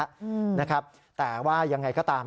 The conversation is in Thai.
แต่ว่ายังไงก็ตาม